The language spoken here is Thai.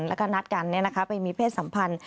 แล้วก็นัดกันไปมีเพศสัมพันธ์